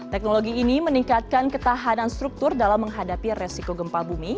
teknologi ini meningkatkan ketahanan struktur dalam menghadapi resiko gempa bumi